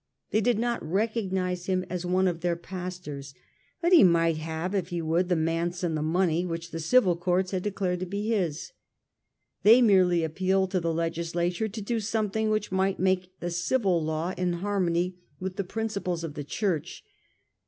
They did not recognise him as one of their pastors, but he might have, if he would, the manse and the money which the civil courts had declared to be his. They merely appealed to the Legislature to do something which might make the civil law in harmony with the principles of the Church.